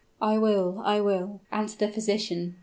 "I will I will," answered the physician.